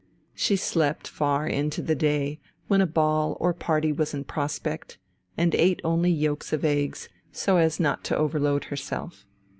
She slept far into the day when a ball or party was in prospect, and ate only yolks of eggs, so as not to overload herself.